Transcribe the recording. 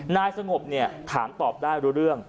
นายสงบเนี่ยถามตอบได้รู้เรื่อง